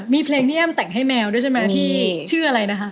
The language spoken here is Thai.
มีเพลงที่แอ้มแต่งให้แมวด้วยใช่ไหมที่ชื่ออะไรนะคะ